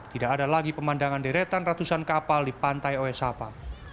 tidak ada lagi pemandangan deretan ratusan kapal di pantai oesapa